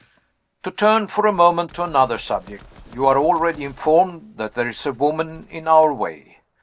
"To turn for a moment to another subject. You are already informed that there is a woman in our way.